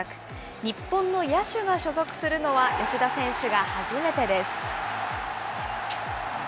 日本の野手が所属するのは吉田選手が初めてです。